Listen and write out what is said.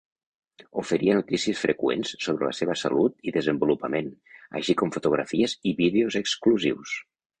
Oferia notícies freqüents sobre la seva salut i desenvolupament, així com fotografies i vídeos exclusius.